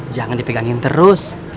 jangan dipegangin terus